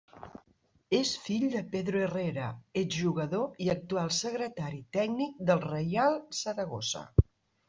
És fill de Pedro Herrera, exjugador i actual secretari tècnic del Reial Saragossa.